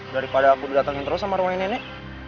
daripada aku didatengin terus sama arwahnya nenek